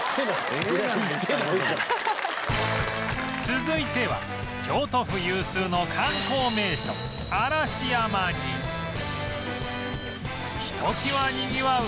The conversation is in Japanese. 続いては京都府有数の観光名所嵐山にひときわにぎわう